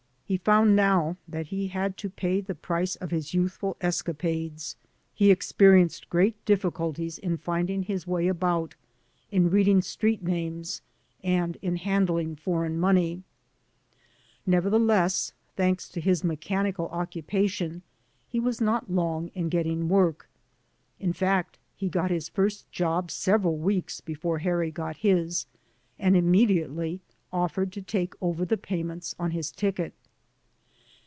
He found now that he had to pay the price of his youthful escapades. He experienced great 165 AN AMERICAN IN THE MAKING difficulties in finding his way about, in reading street names, and in handling foreign money. Nevertheless, thanks to his mechanical occupation, he was not long in getting work. In fact, he got his first job several weeks before Harry got his, and inmiediately oflFered to take over the payments on his ticket.